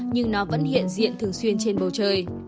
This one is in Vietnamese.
nhưng nó vẫn hiện diện thường xuyên trên bầu trời